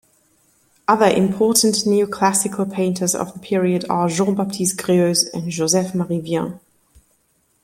Other important neoclassical painters of the period are Jean-Baptiste Greuze and Joseph-Marie Vien.